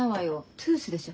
「トゥース」でしょ。